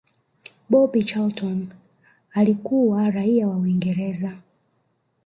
bobby Charlton alikuwa raia wa Uingereza